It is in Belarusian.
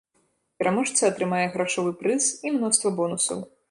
Пераможца атрымае грашовы прыз і мноства бонусаў.